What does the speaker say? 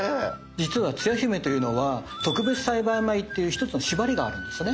実はつや姫というのは特別栽培米っていう一つの縛りがあるんですね。